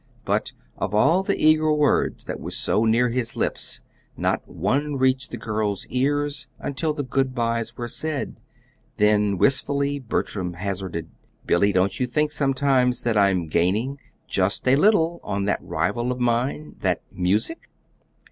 But of all the eager words that were so near his lips, not one reached the girl's ears until the good byes were said; then wistfully Bertram hazarded: "Billy, don't you think, sometimes, that I'm gaining just a little on that rival of mine that music?"